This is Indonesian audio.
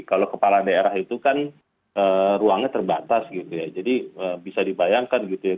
kalau kepala daerah itu kan ruangnya terbatas gitu ya jadi bisa dibayangkan gitu ya